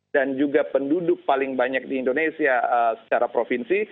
dan juga penduduk paling banyak di indonesia secara provinsi